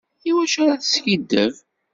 Iwacu ara teskiddeb?